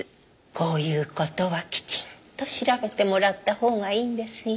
こういう事はきちんと調べてもらったほうがいいんですよ。